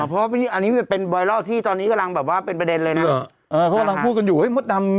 เพราะเขาอันนี้เป็นไบเล่าที่ตอนนี้กะลังบังษณะแบบว่าเป็นประเด็นเลยนะครับพูดด้วยมรดำ